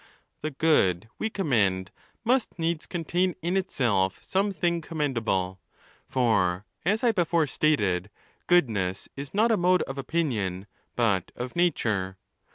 The good we commend, must needs contain in itself some thing commendable ; for as I before stated, goodness is not 'a mode of opinion, but of nature.